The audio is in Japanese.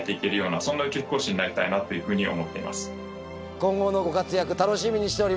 今後のご活躍楽しみにしております。